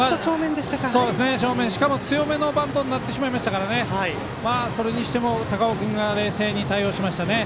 正面、強めのバントになってしまいましたからそれにしても高尾君が冷静に対応しましたね。